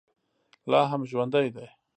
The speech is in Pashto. لا هم ژوندی دی.